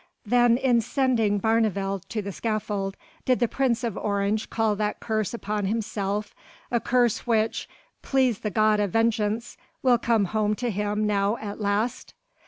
"Then in sending Barneveld to the scaffold did the Prince of Orange call that curse upon himself, a curse which please the God of vengeance! will come home to him now at last."